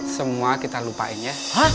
semua kita lupain ya